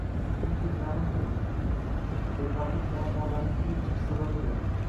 chunki, ma’lumki, befarqlik muammolarning kelib chiqish sababidir.